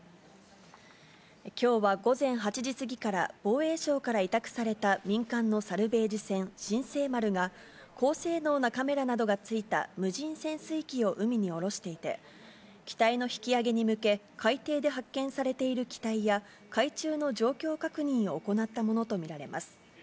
きょうは午前８時過ぎから、防衛省から委託された民間のサルベージ船、新世丸が、高性能なカメラなどがついた無人潜水機を海に降ろしていて、機体の引き揚げに向け、海底で発見されている機体や、海中の状況確認を行ったものと見られます。